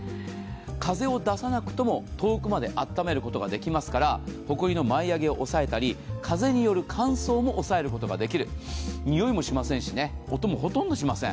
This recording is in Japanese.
風を出さなくとも遠くまであっためることができますから、ほこりの舞い上げを抑えたり風邪による乾燥も抑えることができるにおいもしませんし、音もほとんどしません。